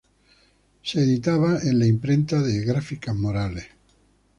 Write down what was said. Se editaba en la imprenta de Gráficas Morales.